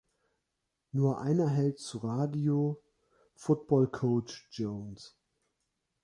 Nur einer hält zu Radio, Football-Coach Jones.